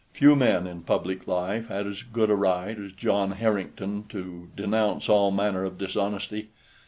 Few men in public life had as good a right as John Harrington to denounce all manner of dishonesty.